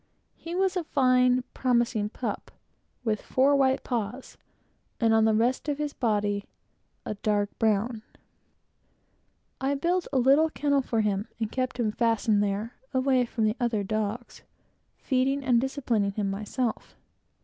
He was a fine, promising pup, with four white paws, and all the rest of his body of a dark brown. I built a little kennel for him, and kept him fastened there, away from the other dogs, feeding and disciplining him myself.